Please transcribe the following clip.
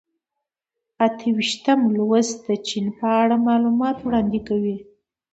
اته ویشتم لوست د چین په اړه معلومات وړاندې کوي.